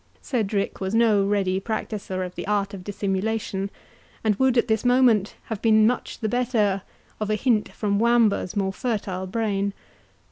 Cedric was no ready practiser of the art of dissimulation, and would at this moment have been much the better of a hint from Wamba's more fertile brain.